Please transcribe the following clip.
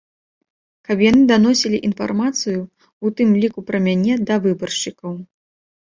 Каб яны даносілі інфармацыю, у тым ліку пра мяне да выбаршчыкаў.